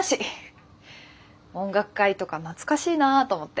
音楽会とか懐かしいなと思って。